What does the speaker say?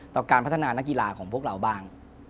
การพัฒนานักกีฬาของพวกเราบ้าง